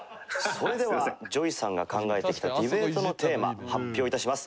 それではＪＯＹさんが考えてきたディベートのテーマ発表致します。